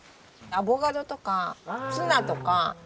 アボカドとかツナとか。